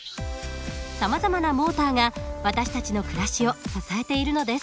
さまざまなモーターが私たちの暮らしを支えているのです。